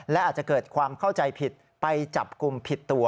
และอาจจะเกิดความเข้าใจผิดไปจับกลุ่มผิดตัว